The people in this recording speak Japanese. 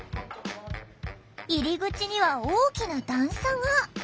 入り口には大きな段差が！